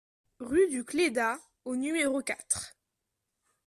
Rue du Clédat au numéro quatre